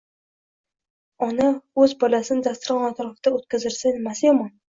ona o‘z bolasini dasturxon atrofida o'tirgizsa nimasi yomon?